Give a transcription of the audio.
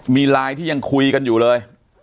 มีไลน์ที่ยังคุยกันอยู่เลย